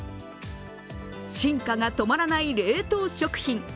進化が止まらない冷凍食品。